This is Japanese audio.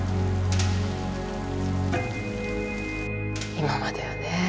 今まではね